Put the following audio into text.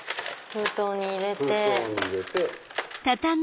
封筒に入れて。